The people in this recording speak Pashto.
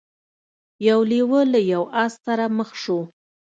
یو لیوه له یو آس سره مخ شو.